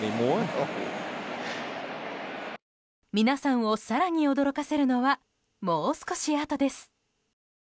皆さんを更に驚かせるのはもう少しあとです。